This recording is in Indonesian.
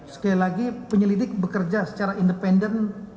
sekali lagi penyelidik bekerja secara independen